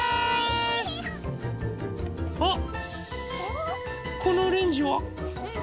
あっこのオレンジは？